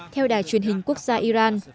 theo đài truyền hình quốc gia iran